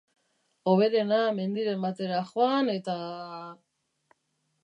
Hoberena, mendiren batera joan eta...